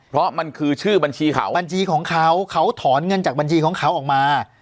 เพราะมันคือชื่อบัญชีเขาบัญชีของเขาเขาถอนเงินจากบัญชีของเขาออกมา